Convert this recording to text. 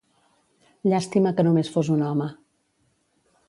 Llàstima que només fos un home.